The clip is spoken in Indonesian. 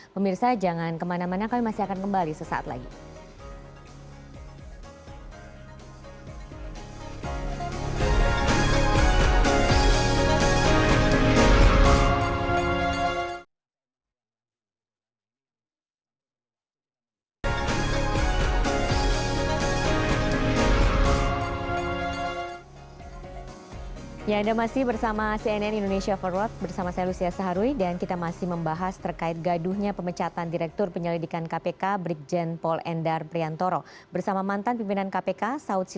pemirsa jangan kemana mana kami masih akan kembali sesaat lagi